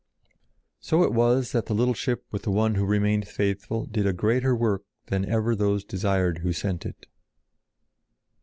So it was that the little ship with the one who remained faithful did a greater work than ever those desired who sent it.